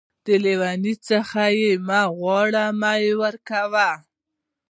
د لېوني څه يې مه غواړه ،مې ورکوه.